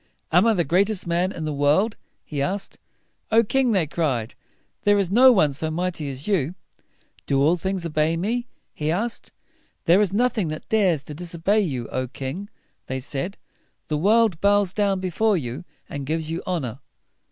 "Am I the greatest man in the world?" he asked. "O king!" they cried, "there is no one so mighty as you." "Do all things obey me?" he asked. "There is nothing that dares to dis o bey you, O king!" they said. "The world bows before you, and gives you honor."